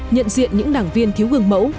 nhận diện những đảng viên thiếu gương mẫu